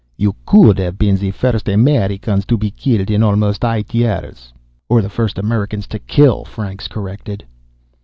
"You could have been the first Americans to be killed in almost eight years." "Or the first Americans to kill," Franks corrected.